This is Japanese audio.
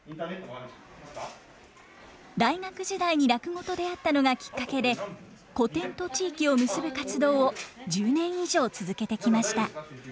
大学時代に落語と出会ったのがきっかけで古典と地域を結ぶ活動を１０年以上続けてきました。